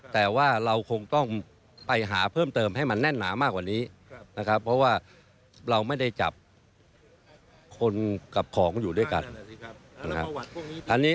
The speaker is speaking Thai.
แต่ว่าเราคงต้องไปหาเพิ่มเติมให้มันแน่นหนามากกว่านี้นะครับเพราะว่าเราไม่ได้จับคนกับของอยู่ด้วยกันนะครับ